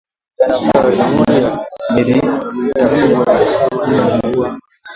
Jana mirirudiliya lwa mikulu